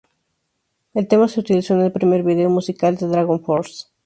El tema se utilizó en el primer vídeo musical de DragonForce.